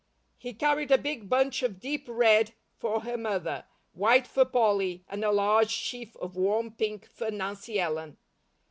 He carried a big bunch of deep red for her mother, white for Polly, and a large sheaf of warm pink for Nancy Ellen.